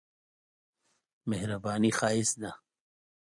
مهرباني ښايست ده.